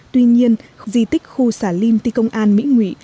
tuy nhiên di tích khu xà linh tây công an mỹ nghị